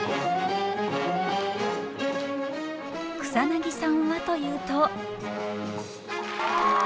草さんはというと。